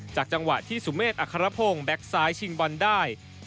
จังหวะที่สุเมฆอัครพงศ์แก๊กซ้ายชิงบอลได้